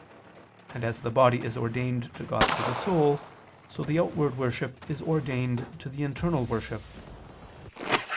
And as the body is ordained to God through the soul, so the outward worship is ordained to the internal worship.